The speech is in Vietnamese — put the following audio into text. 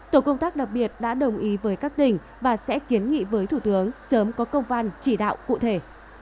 tổ công tác đặc biệt đã đồng ý với các tỉnh và sẽ kiến nghị với thủ tướng sớm có công văn chỉ đạo cụ thể